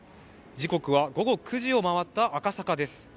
自国は午後９時を回った赤坂です